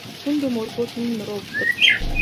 Хүнд юм өргөхлөөр түүний нуруу өвддөг.